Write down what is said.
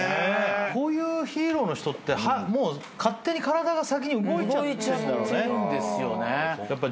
こういうヒーローの人ってもう勝手に体が先に動いちゃってんだろうね。